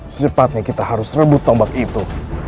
secepatnya kita harus rebut tombak itu